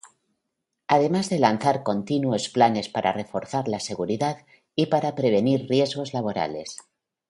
Además de lanzar continuos planes para reforzar la seguridad y para prevenir riesgos laborales.